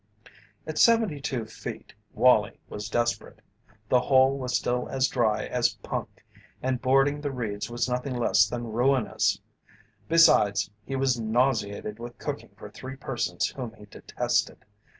At seventy two feet Wallie was desperate. The hole was still as dry as punk, and boarding the Reeds was nothing less than ruinous; besides, he was nauseated with cooking for three persons whom he detested.